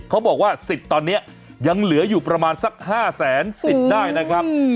เขาบอกว่าสิทธิ์ตอนนี้ยังเหลืออยู่ประมาณสัก๕แสนสิทธิ์ได้นะครับ